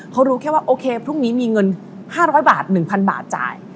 เขารู้แค่ว่าโอเคพรุ่งนี้มีเงิน๕๐๐บาท๑๐๐บาทจ่าย